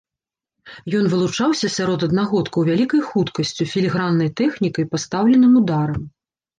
Ён вылучаўся сярод аднагодкаў вялікай хуткасцю, філіграннай тэхнікай, пастаўленым ударам.